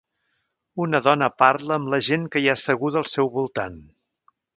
Una dona parla amb la gent que hi ha asseguda al seu voltant.